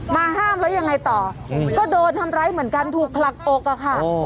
ห้ามแล้วยังไงต่อก็โดนทำร้ายเหมือนกันถูกผลักอกอะค่ะ